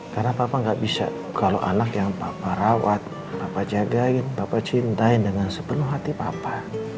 karena papa gak bisa kalau anak yang papa rawat papa jagain papa cintain dengan sepenuh hati papa